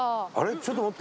ちょっと待って。